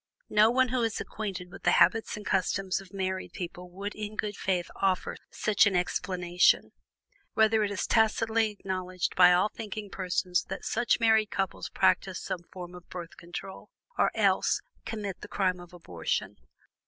No one who is acquainted with the habits and customs of married people would in good faith offer such an explanation. Rather is it tacitly acknowledged by all thinking persons that such married couples practice some form of Birth Control, or else commit the crime of abortion.